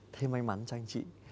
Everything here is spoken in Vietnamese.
thêm may mắn cho anh chị